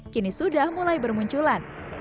kini sudah mulai bermunculan